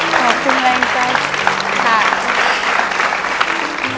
ขอบคุณแรงกัน